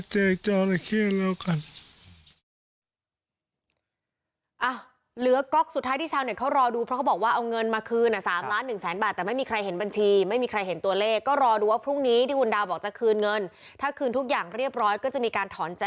แต่เจ๊เสียเจ๊จริงแล้วกัน